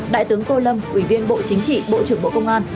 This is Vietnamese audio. đại tướng tô lâm ủy viên bộ chính trị bộ trưởng bộ công an